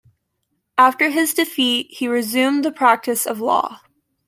After his defeat, he resumed the practice of law.